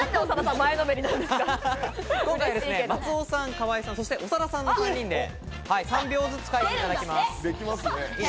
今回は松尾さん、河合さん、長田さんの３人で、３秒ずつ描いてもらいます。